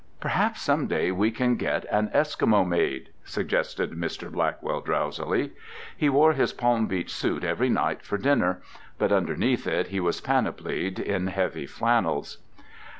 "Perhaps some day we can get an Eskimo maid," suggested Mr. Blackwell drowsily. He wore his Palm Beach suit every night for dinner, but underneath it he was panoplied in heavy flannels.